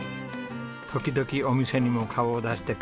時々お店にも顔を出してくれるキミちゃん。